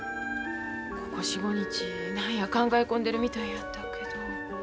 ここ４５日何や考え込んでるみたいやったけど。